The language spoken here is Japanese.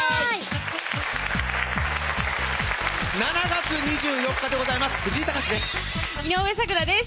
７月２４日でございます藤井隆です